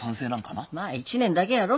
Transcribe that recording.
まあ１年だけやろ？